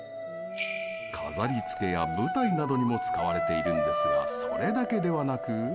飾り付けや舞台などにも使われているんですがそれだけではなく。